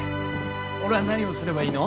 俺は何をすればいいの？